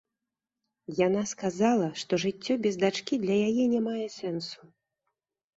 Яна сказала, што жыццё без дачкі для яе не мае сэнсу.